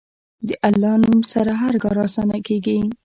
د الله نوم سره هر کار اسانه کېږي.